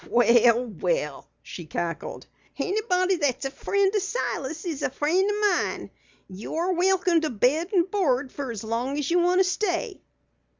"Well, well," she cackled, "anybody that's a friend of Silas is a friend of mine. You're welcome to bed and board fer as long as you want to stay."